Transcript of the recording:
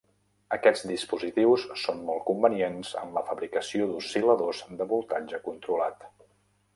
Aquests dispositius són molt convenients en la fabricació d'oscil·ladors de voltatge controlat.